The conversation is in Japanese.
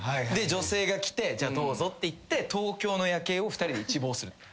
で女性が来てじゃあどうぞっていって東京の夜景を２人で一望する。